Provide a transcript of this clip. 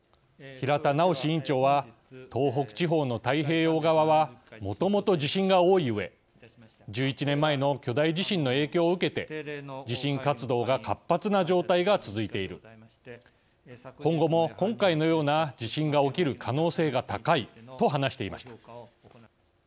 平田直委員長は「東北地方の太平洋側はもともと地震が多いうえ１１年前の巨大地震の影響を受けて地震活動が活発な状態が続いている今後も今回のような地震が起きる可能性が高い」と話していました。